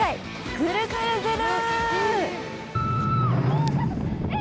ぐるぐるぐる。